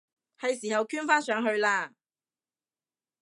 係時候捐返上去喇！